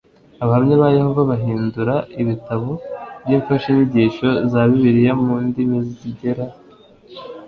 Abahamya ba Yehova bahindura ibitabo by imfashanyigisho za Bibiliya mu ndimi zigera